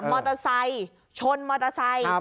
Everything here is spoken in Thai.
มอเตอร์ไซค์ชนมอเตอร์ไซค์